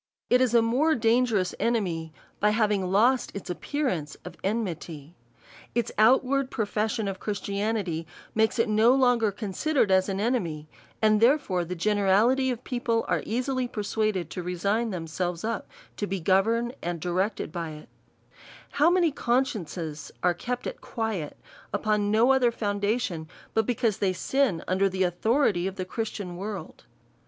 It is a more dangerous enemy, by having lost its appeaiance of enmity. Its outward profession of Christianity makes it no longer considered as an enemy, and therefore the generality of people are ea sily persuaded to resign themselves up to be governed and directed by it. BEVOUT AND HOLY LIFE. 229 How many consciences are kept at quiet, upon no other foundation^ but because they sin under the au thority of the Christian world